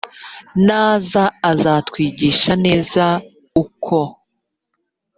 naza azatwigisha neza uko